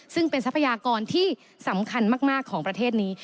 ซึ่งเป็นทรัพยากรที่สำคัญมากของประเทศนี้